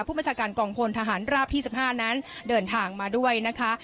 ผู้บัญชาการกองพลทหารราบที่๑๕นั้นเดินทางมาด้วยนะคะ